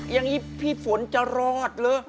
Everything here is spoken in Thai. อย่างนี้พี่ฝนจะรอดเหรอ